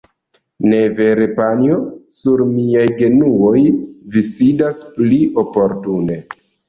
Ne vere panjo? Sur miaj genuoj vi sidas pli oportune.